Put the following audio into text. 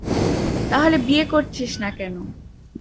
তাহলে বিয়ে করছিস না কেন?